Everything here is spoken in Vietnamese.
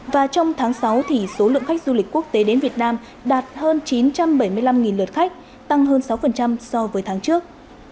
và trong tháng sáu thì số lượng khách du lịch quốc tế đến việt nam đạt hơn chín trăm bảy mươi năm lượt khách tăng hơn sáu so với tháng trước